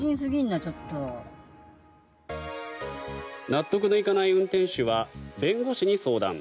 納得のいかない運転手は弁護士に相談。